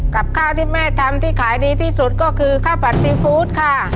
กับข้าวที่แม่ทำที่ขายดีที่สุดก็คือข้าวผัดซีฟู้ดค่ะ